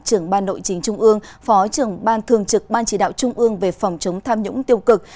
trưởng ban nội chính trung ương phó trưởng ban thường trực ban chỉ đạo trung ương về phòng chống tham nhũng tiêu cực